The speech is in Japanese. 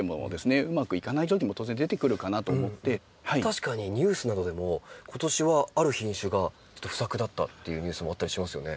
確かにニュースなどでも今年はある品種が不作だったっていうニュースもあったりしますよね。